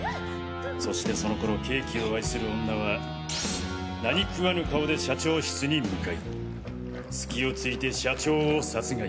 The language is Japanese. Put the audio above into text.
そしてその頃ケーキを愛する女は何食わぬ顔で社長室に向かいスキをついて社長を殺害。